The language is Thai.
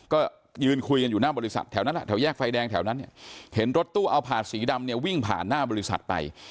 ก็ยืนคุยกันอยู่หน้าบริษัทแถวนั้นแหละแถวแยกไฟแดงแถวนั้นเนี่ยเห็นรถตู้เอาผาดสีดำเนี่ยวิ่งผ่านหน้าบริษัทไป